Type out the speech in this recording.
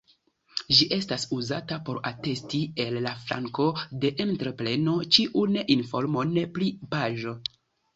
Ĝi estas uzata por atesti el la flanko de entrepreno ĉiun informon pri pago.